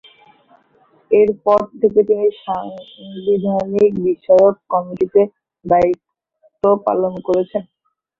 এরপর থেকে তিনি সাংবিধানিক বিষয়ক কমিটিতে দায়িত্ব পালন করছেন।